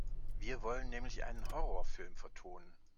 Wir wollen nämlich einen Horrorfilm vertonen.